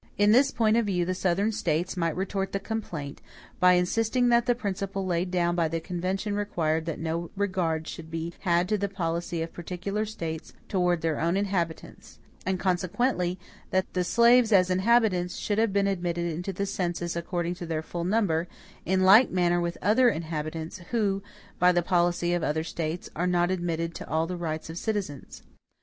In this point of view the Southern States might retort the complaint, by insisting that the principle laid down by the convention required that no regard should be had to the policy of particular States towards their own inhabitants; and consequently, that the slaves, as inhabitants, should have been admitted into the census according to their full number, in like manner with other inhabitants, who, by the policy of other States, are not admitted to all the rights of citizens.